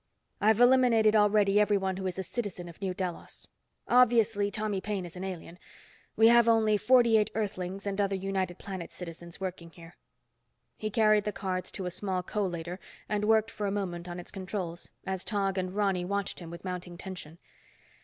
I've eliminated already everyone who is a citizen of New Delos. Obviously, Tommy Paine is an alien. We have only forty eight Earthlings and other United Planets citizens working here." He carried the cards to a small collator and worked for a moment on its controls, as Tog and Ronny watched him with mounting tension.